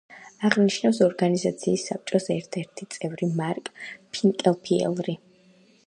აღნიშნავს ორგანიზაციის საბჭოს ერთ-ერთი წევრი მარკ ფინკელფიელრი.